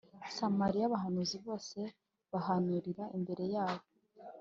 Samariya abahanuzi bose bahanurira imbere yabo